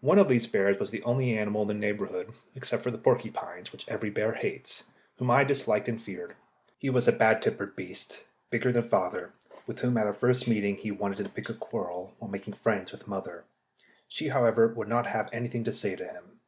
One of these was the only animal in the neighbourhood except the porcupines, which every bear hates whom I disliked and feared. He was a bad tempered beast, bigger than father, with whom at our first meeting he wanted to pick a quarrel, while making friends with mother. She, however, would not have anything to say to him.